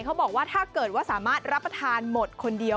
เขาบอกว่าถ้าเกิดว่าสามารถรับประทานหมดคนเดียว